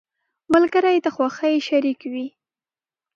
• ملګری د خوښۍ شریك وي.